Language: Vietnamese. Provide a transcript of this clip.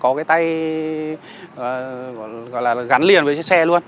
có cái tay gắn liền với chiếc xe luôn